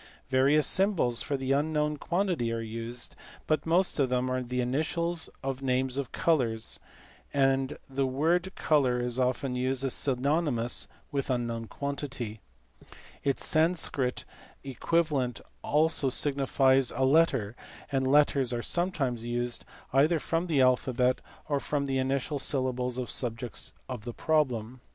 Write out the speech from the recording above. Various symbols for the unknown quantity are used, but most of them are the initials of names of colours, and the word colour is often used as synonymous with unknown quantity; its Sanscrit equivalent also signifies a letter, and letters are sometimes used either from the alphabet or from the initial syllables of subjects of the problem.